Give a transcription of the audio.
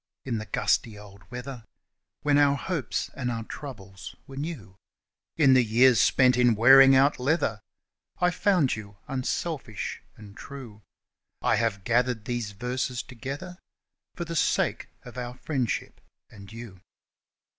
In the gusty old weather, When our hopes and our troubles were new, In the years spent in wearing out leather, I found you unselfish and true I have gathered these verses together For the sake of our friendship and you.